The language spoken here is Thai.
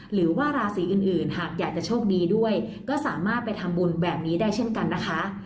หรือว่าราศีอื่นหากอยากจะโชคดีด้วยก็สามารถไปทำบุญแบบนี้ได้เช่นกันนะคะ